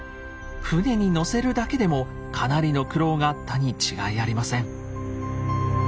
船に乗せるだけでもかなりの苦労があったに違いありません。